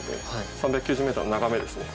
３９０ｍの眺めですね。